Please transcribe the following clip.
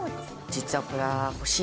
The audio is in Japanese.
実はこれは。